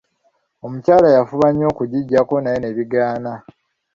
Omukyala yafuba nnyo okugijjako naye ne bigaana.